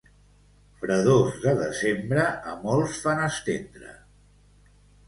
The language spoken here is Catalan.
Fredors de desembre, a molts fan estendre.